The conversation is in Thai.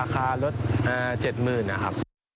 ราคารถึง๗๐๐๐๐บาทครับ